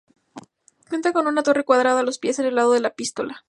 Cuenta con una torre cuadrada a los pies, en el lado de la epístola.